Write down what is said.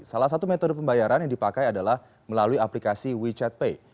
salah satu metode pembayaran yang dipakai adalah melalui aplikasi wechat pay